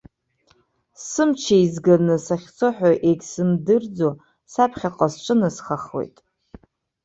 Сымч еизганы, сахьцоҳәа егьсымдырӡо, саԥхьаҟа сҿынасхахуеит.